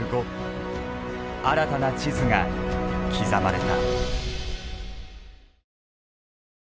新たな地図が刻まれた。